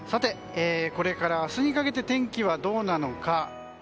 これから明日にかけて天気はどうなのか。